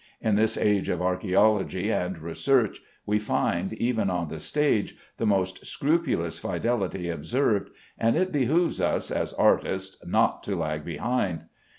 In this age of archæology and research we find, even on the stage, the most scrupulous fidelity observed, and it behooves us, as artists, not to lag behind.